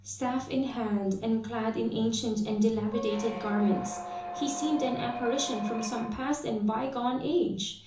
Staff in hand, and clad in ancient and dilapidated garments, he seemed an apparition from some past and bygone age.